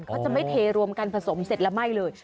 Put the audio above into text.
เขาจะไม่เทรวมกันผสมเสร็จแล้วไหม้เลย